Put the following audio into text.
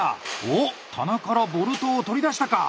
おおっ棚からボルトを取り出したか！